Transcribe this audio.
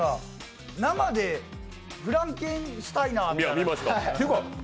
生でフランケンシュタイナーみたいな。